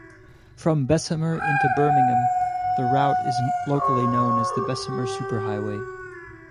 From Bessemer into Birmingham, the route is locally known as the Bessemer Superhighway.